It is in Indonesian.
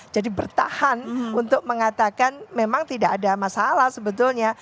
jadi bertahan untuk mengatakan memang tidak ada masalah sebetulnya